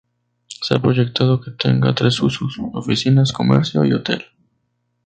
Se ha proyectado que tenga tres usos: oficinas, comercio y hotel.